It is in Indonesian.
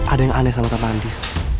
ada yang aneh sama tante andis